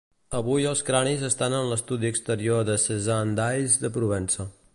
Avui els cranis estan en l'estudi exterior de Cézanne d'Ais de Provença.